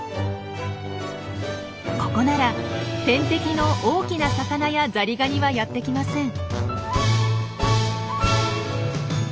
ここなら天敵の大きな魚やザリガニはやって来ません。